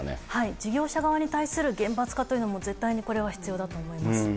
事業者側に対する厳罰化というのも絶対にこれは必要だと思います。